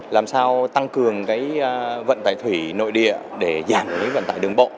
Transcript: làm sao tăng cường cái vận tải thủy nội địa để giảm những vận tải đường bộ